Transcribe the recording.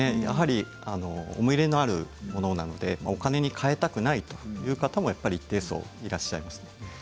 やはり思い入れのあるものなのでお金に変えたくないという方も一定数いらっしゃいます。